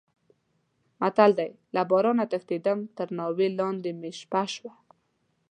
متل دی: له بارانه تښتېدم تر ناوې لانې مې شپه شوه.